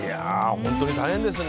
本当に大変ですね